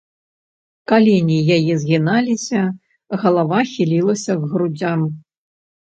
Калені яе згіналіся, галава хілілася к грудзям.